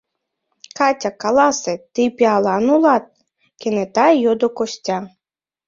— Катя, каласе, тый пиалан улат? — кенета йодо Костя.